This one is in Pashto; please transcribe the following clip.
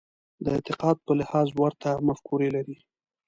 د اعتقاد په لحاظ ورته مفکورې لري.